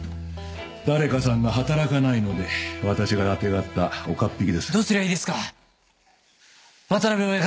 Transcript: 誰かさんが働かないので私があてがった岡っ引きですどうすりゃいいですか？